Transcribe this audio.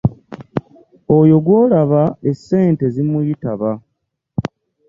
Oyo gwolaba essente zimuyitaba.